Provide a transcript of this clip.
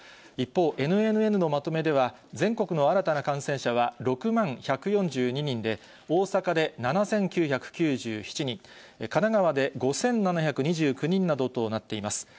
一方、ＮＮＮのまとめでは、全国の新たな感染者は６万１４２人で、大阪で７９９７人、神奈川で５７２９人などとなっています。